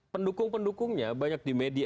pendukung pendukungnya banyak di media